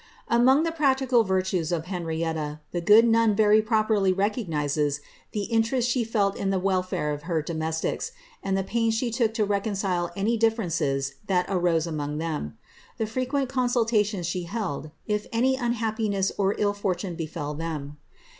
Among tiie practical virtues of Henrietta, the good nun very properly recognises the interest she felt in the welfare of her domestics, and the pains she took to reconcile any differences that arose among them; the frequent consultations she held, if any unhappiness or ill fortune befd them.